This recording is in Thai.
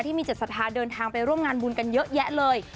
ที่มีเจ็ดสถานเดินทางไปร่วมงานบุญกันเยอะแยะเลย